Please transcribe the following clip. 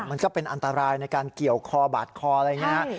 มันก็เป็นอันตรายในการเกี่ยวคอบาดคออะไรอย่างนี้ฮะ